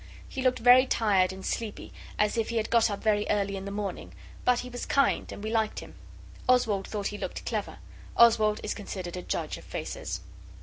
He looked very tired and sleepy, as if he had got up very early in the morning; but he was kind, and we liked him. Oswald thought he looked clever. Oswald is considered a judge of faces.